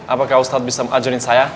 apakah ustaz bisa mengajarin saya